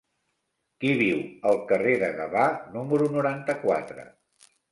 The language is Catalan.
Qui viu al carrer de Gavà número noranta-quatre?